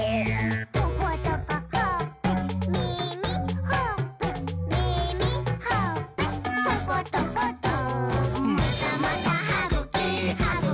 「トコトコほっぺ」「みみ」「ほっぺ」「みみ」「ほっぺ」「トコトコト」「またまたはぐき！はぐき！はぐき！